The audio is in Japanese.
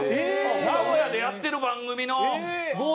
名古屋でやってる番組のＧＯ☆